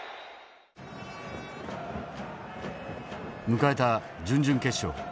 迎えた準々決勝。